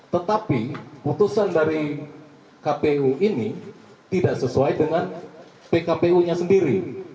tetapi putusan dari kpu ini tidak sesuai dengan pkpu nya sendiri